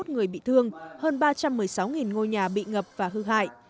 hai mươi một người bị thương hơn ba trăm một mươi sáu ngôi nhà bị ngập và hư hại